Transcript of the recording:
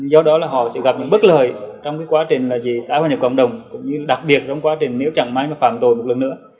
do đó là họ sẽ gặp những bất lợi trong quá trình tái hòa nhập cộng đồng cũng như đặc biệt trong quá trình nếu chẳng may mà phạm tội một lần nữa